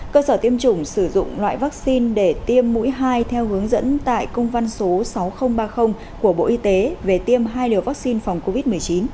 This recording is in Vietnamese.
cơ sở tiêm chủng sử dụng loại vaccine để tiêm mũi hai theo hướng dẫn tại công văn số sáu nghìn ba mươi của bộ y tế về tiêm hai liều vaccine phòng covid một mươi chín